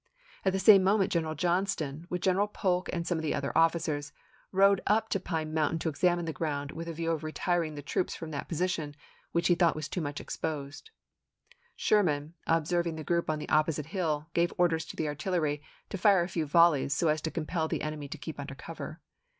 At the same moment General Johnston, with General Polk and some other officers, rode up to Pine Mountain to examine the ground with a view of retiring the troops from that position, which he thought too much exposed. Sherman, observ ing the group on the opposite hill, gave orders to the artillery to fire a few volleys so as to compel the enemy to keep under cover.